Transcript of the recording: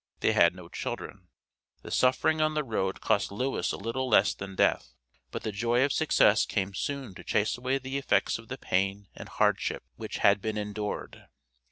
They had no children. The suffering on the road cost Lewis a little less than death, but the joy of success came soon to chase away the effects of the pain and hardship which had been endured.